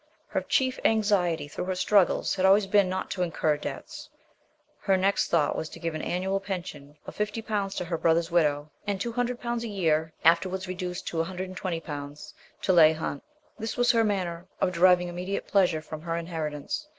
Her chief anxiety through her struggles had always been not to incur debts ; her next thought was to give an annual pension of 50 to her brother's widow, and 200 a year (afterwards reduced to 120) to Leigh Hunt. This was her manner of deriving immediate pleasure from her inheritance.